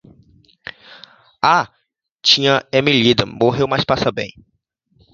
A tia Ermelinda morreu mas passa bem.